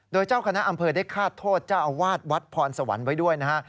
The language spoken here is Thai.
โดยเจ้าคณะอำเภอได้คาดโทษเจ้าอาวาสวัดพรสวรรค์ไว้ด้วยนะฮะ